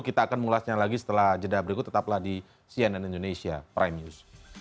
kita akan mengulasnya lagi setelah jeda berikut tetaplah di cnn indonesia prime news